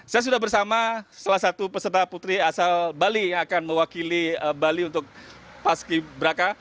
saya sudah bersama salah satu peserta putri asal bali yang akan mewakili bali untuk paski braka